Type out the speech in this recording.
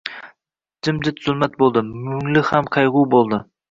Jimjit zulmat bo‘ldi. Mungli ham qayg‘uli bo‘ldi.